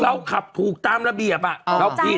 เราขับผูกตามระเบียบอะ